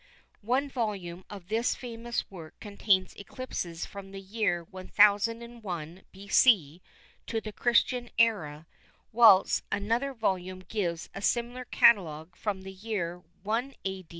One volume of this famous work contains eclipses from the year 1001 B.C. to the Christian Era, whilst another volume gives a similar catalogue from the year 1 A.